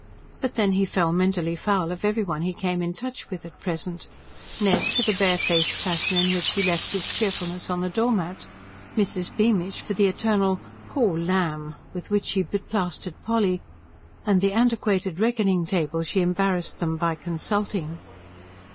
But then he fell mentally foul of every one he came in touch with, at present: Ned, for the bare faced fashion in which he left his cheerfulness on the door mat; Mrs. Beamish for the eternal "Pore lamb!" with which she beplastered Polly, and the antiquated reckoning table she embarrassed them by consulting.